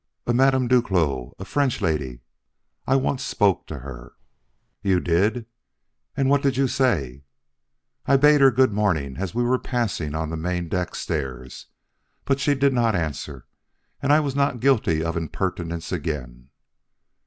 "A Madame Duclos, a French lady. I once spoke to her." "You did? And what did you say?" "I bade her good morning as we were passing on the main deck stairs. But she did not answer, and I was not guilty of the impertinence again."